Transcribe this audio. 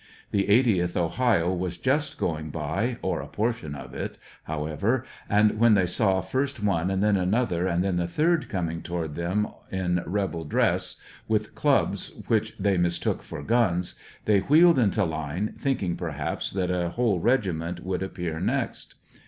The 80th Ohio was just going by, or a por tion of it, however, and when they saw first one and then another and then the third coming toward them in rebel dress, with clubs which they mistook for guns, they wheeled into line, thinking, per haps, that a whole regiment w^ould appear next.